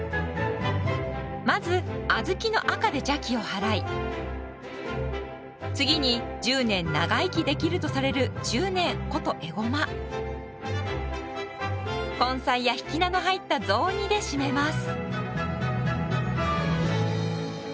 まず小豆の赤で邪気を払い次に１０年長生きできるとされる根菜や引菜の入った「雑煮」でしめます。